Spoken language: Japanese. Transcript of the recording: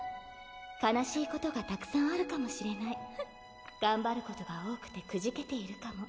悲しいことがたくさんあるかもしれない、頑張ることが多くてくじけているかも。